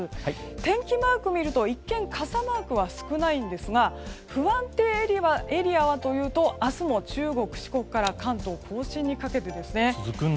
天気マークを見ると、一見傘マークは少ないんですが不安定エリアはというと明日も中国・四国から関東・甲信にかけてですね。